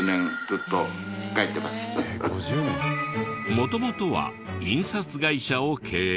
元々は印刷会社を経営。